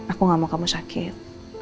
aku gak mau kamu sakit